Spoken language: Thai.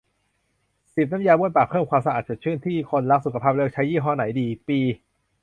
สิบ น้ำยาบ้วนปาก เพิ่มความสะอาด สดชื่น ที่คนรักสุขภาพเลือกใช้ ยี่ห้อไหนดี ปี